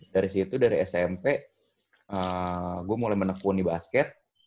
dari situ dari smp gue mulai menekuni basket